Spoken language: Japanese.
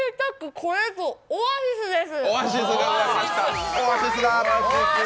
これぞオアシスです！